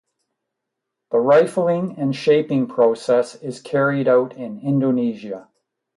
The rifling and shaping process is carried out in Indonesia.